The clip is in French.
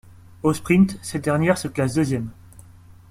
Au sprint, cette dernière se classe deuxième.